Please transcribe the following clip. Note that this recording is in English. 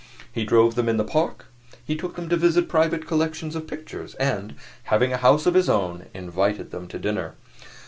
He drove them in the park, he took them to visit private collections of pictures, and, having a house of his own, invited them to dinner.